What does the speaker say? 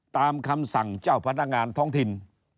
ตามคำสั่งเจ้าพนักงานท้องถิ่น